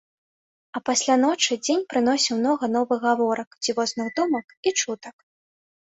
А пасля ночы дзень прыносіў многа новых гаворак, дзівосных думак і чутак.